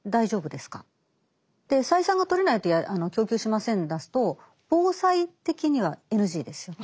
「採算がとれないと供給しません」だと防災的にはＮＧですよね。